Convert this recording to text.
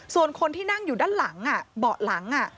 ส่วนคนที่นั่งอยู่ด้านหลังเบาะหลัง